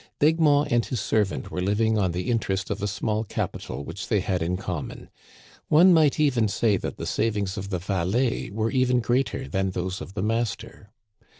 D'Egmont and his servant were living on the interest of a small capital which they had in common. One might even say that the savings of the valet were even greater than those of the master.